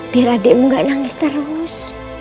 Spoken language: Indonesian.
biar adikmu gak nangis terus